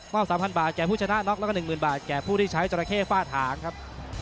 ๓๐๐บาทแก่ผู้ชนะน็อกแล้วก็๑๐๐๐บาทแก่ผู้ที่ใช้จราเข้ฝ้าถางครับ